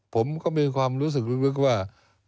ผมก็มีความรู้สึกลึกว่า